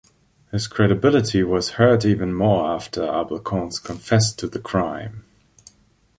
His credibility was hurt even more after Abel Koontz confessed to the crime.